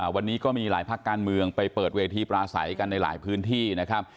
วันนี้ก็มีหลายภาคการเมืองไปเปิดเวทีปราศัยกันในหลายพื้นที่นะครับ